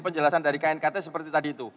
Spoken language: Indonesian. terima kasih